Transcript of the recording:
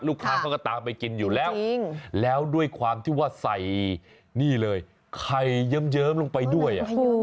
เขาก็ตามไปกินอยู่แล้วแล้วด้วยความที่ว่าใส่นี่เลยไข่เยิ้มลงไปด้วย